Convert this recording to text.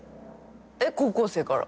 高校生から。